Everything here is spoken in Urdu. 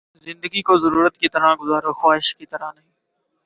زندگی کو ضرورت کی طرح گزارو، خواہش کی طرح نہیں